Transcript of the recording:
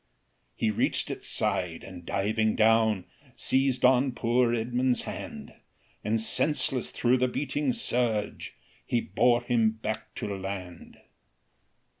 He reach'd its side, and diving down, Seiz'd on poor Edmund's hand, And senseless through the beating surge, He bore him back to land.